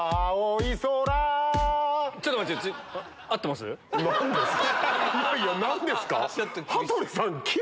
いやいや何ですか⁉